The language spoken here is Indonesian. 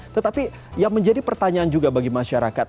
tetapi yang menjadi pertanyaan juga bagi masyarakat